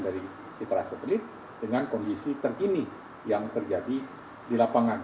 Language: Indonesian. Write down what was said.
dari citra satelit dengan kondisi terkini yang terjadi di lapangan